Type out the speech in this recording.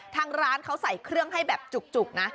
ทางร้านเขาใส่เครื่องให้แบบจุกนะ